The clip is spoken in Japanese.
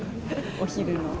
お昼の。